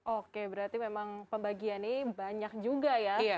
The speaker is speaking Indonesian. oke berarti memang pembagiannya banyak juga ya